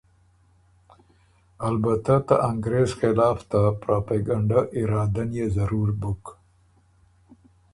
البتۀ ته انګرېز خلاف ته پراپېګنډه اراده ن يې ضرور بُک۔